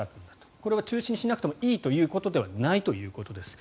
これは中止にしなくてもいいということではないということです。